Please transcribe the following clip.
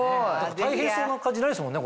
大変そうな感じないですもんね